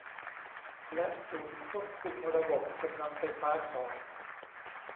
และศูนย์ควบคุมระบบกำลังไฟฟ้าของ